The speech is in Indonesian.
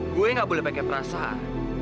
gue gak boleh pakai perasaan